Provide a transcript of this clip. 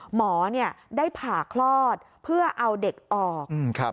หมอเนี่ยได้ผ่าคลอดเพื่อเอาเด็กออก